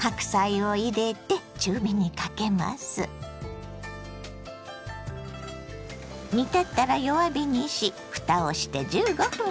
煮立ったら弱火にしふたをして１５分煮ます。